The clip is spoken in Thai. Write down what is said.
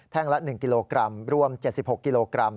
่งละ๑กิโลกรัมรวม๗๖กิโลกรัม